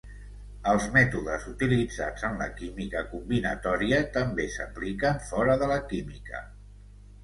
Els mètodes utilitzats en la química combinatòria també s'apliquen fora de la química.